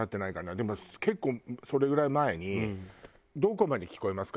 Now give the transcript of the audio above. でも結構それぐらい前に「どこまで聞こえますか？」